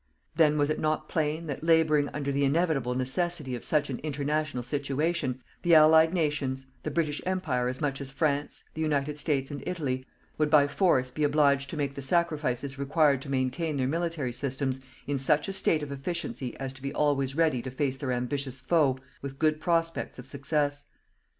Then was it not plain that labouring under the inevitable necessity of such an international situation, the Allied nations, the British Empire as much as France, the United States and Italy would by force be obliged to make the sacrifices required to maintain their military systems in such a state of efficiency as to be always ready to face their ambitious foe with good prospects of success.